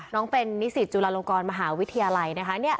น้องเป็นนิสิตจุฬาลงกรมหาวิทยาลัยนะคะ